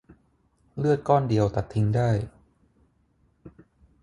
เลือดก้อนเดียวตัดทิ้งได้